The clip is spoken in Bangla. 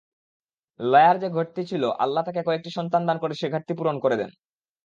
লায়্যার যে ঘাটতি ছিল আল্লাহ তাকে কয়েকটি সন্তান দান করে সে ঘাটতি পূরণ করেন।